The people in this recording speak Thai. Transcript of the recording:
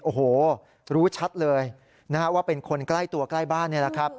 โอ้โหรู้ชัดเลยนะฮะว่าเป็นคนใกล้ตัวใกล้บ้านนี่แหละครับ